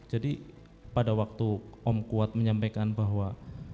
pada waktu om kuat menyampaikan bahwa